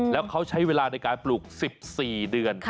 แล้วเขาใช้เวลาในการปลูก๑๔เดือน